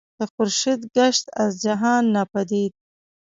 که خورشید گشت از جهان ناپدید